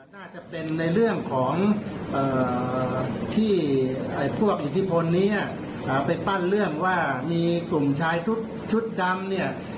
น่าจะเป็นในเรื่องของที่พวกอิทธิพลนี้ไปปั้นเรื่องว่ามีกลุ่มชายชุดดำเนี่ย